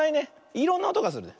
いろんなおとがするね。